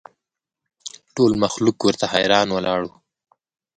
ټول مخلوق ورته حیران ولاړ ول